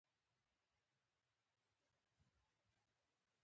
افغانستان کې کوچیان د خلکو د خوښې وړ ځای دی.